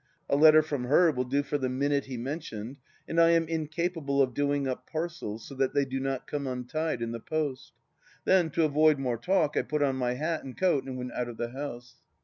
A letter from her will do for the Minute he mentioned, and I am incapable of doing up parcels so that they do not come untied in the post. Then, to avoid more talk, I put on my hat and coat and went out of the house.